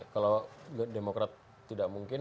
kalau demokrat tidak mungkin